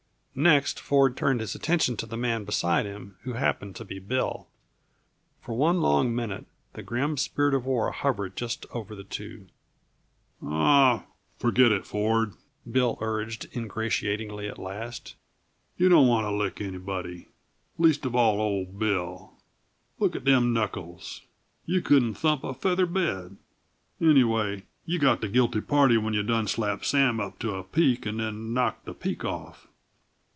Next, Ford turned his attention to the man beside him, who happened to be Bill. For one long minute the grim spirit of war hovered just over the two. "Aw, forget it, Ford," Bill urged ingratiatingly at last. "You don't want to lick anybody least of all old Bill! Look at them knuckles! You couldn't thump a feather bed. Anyway, you got the guilty party when you done slapped Sam up to a peak and then knocked the peak off.